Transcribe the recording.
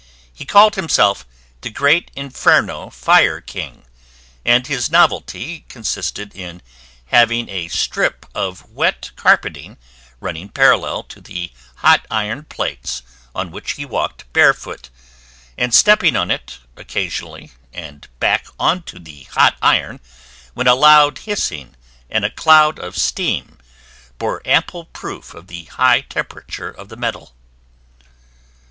He called himself "The Great Inferno Fire King," and his novelty consisted in having a strip of wet carpeting running parallel to the hot iron plates on which he walked barefoot, and stepping on it occasionally and back onto the hot iron, when a loud hissing and a cloud of steam bore ample proof of the high temperature of the metal.